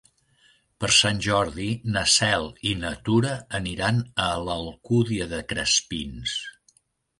Per Sant Jordi na Cel i na Tura aniran a l'Alcúdia de Crespins.